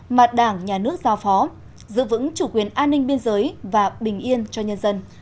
mà đảng nhà nước giao phó giữ vững chủ quyền an ninh biên giới và bình yên cho nhân dân